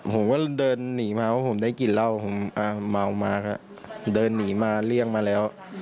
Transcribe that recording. ผมก็เดินหนีมาเพราะผมได้กลิ่นเหล้าผมเมามาก็เดินหนีมาเลี่ยงมาแล้ว